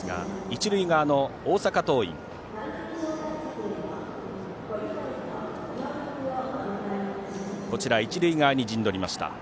一塁側に陣取りました。